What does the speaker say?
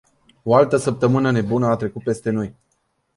O altă săptămână nebună a trecut peste noi.